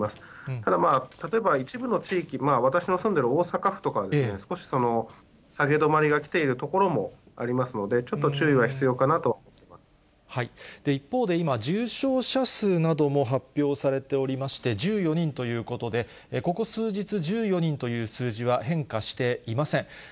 ただ、例えば一部の地域、私の住んでる大阪府とかはですね、少し下げ止まりが来ている所もありますので、ちょっと注意が必要一方で今、重症者数なども発表されておりまして、１４人ということで、ここ数日、１４人という数字は変化していません。